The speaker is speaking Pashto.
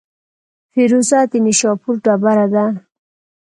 فیروزه د نیشاپور ډبره ده.